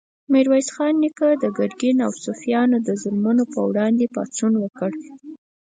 میرویس خان نیکه د ګرګین او صفویانو د ظلمونو په وړاندې پاڅون وکړ.